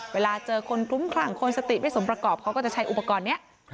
เวลาเจอคนคลุ้มคลั่งคนสติไม่สมประกอบเขาก็จะใช้อุปกรณ์นี้